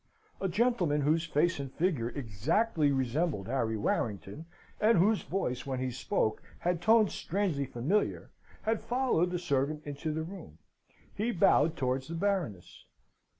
A gentleman whose face and figure exactly resembled Harry Warrington and whose voice, when he spoke, had tones strangely similar, had followed the servant into the room. He bowed towards the Baroness.